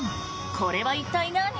これは一体、何？